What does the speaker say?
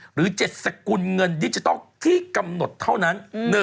หรือ๗สกุลเงินดิจิทัลที่กำหนดเท่านั้น